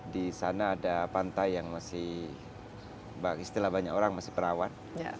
di sana ada pantai yang masih istilah banyak orang masih perawan